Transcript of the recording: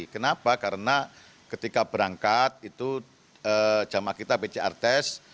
kenapa karena ketika berangkat itu jamaah kita pcr test